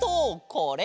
これ。